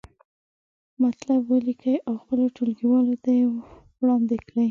مطلب ولیکئ او خپلو ټولګیوالو ته یې وړاندې کړئ.